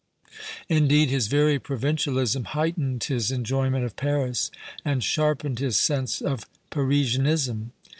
Indeed, his very provincialism heightened his enjoyment of Paris and sharpened his sense of Parisianism.